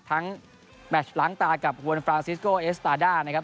ทั้งแมตช์หลังตากับอุวินฟราซิสโกเอสตาดานะครับ